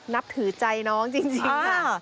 นับถือใจน้องจริงค่ะ